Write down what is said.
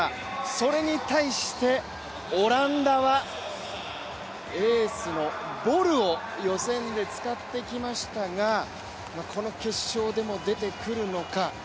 それに対してオランダはエースのボルを予選で使ってきましたがこの決勝でも出てくるのか。